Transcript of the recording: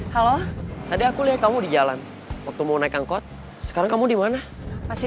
halo tadi aku lihat kamu di jalan waktu mau naik angkot sekarang kamu dimana masih